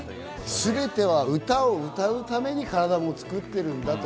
全ては歌を歌うために体も作ってるんだと。